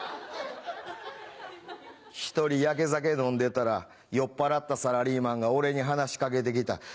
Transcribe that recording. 一人やけ酒飲んでたら酔っぱらったサラリーマンが俺に話し掛けて来た。